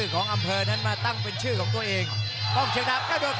กองเชียงดาวก็โดดเขาลอยใกล้ออก